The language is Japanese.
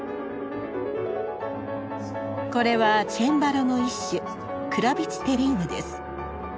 これはチェンバロの一種クラビツィテリウムです。